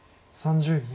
３０秒。